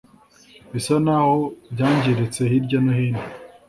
Bisa naho byangiritse hirya no hino